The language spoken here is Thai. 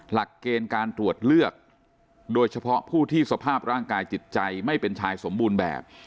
หลักเกณฑ์การตรวจเลือกโดยเฉพาะผู้ที่สภาพร่างกายจิตใจไม่เป็นชายสมบูรณ์แบบ